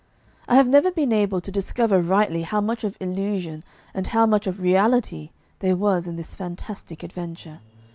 I have never been able to discover rightly how much of illusion and how much of reality there was in this fantastic adventure.